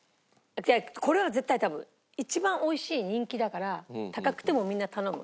これは絶対多分一番美味しい人気だから高くてもみんな頼む。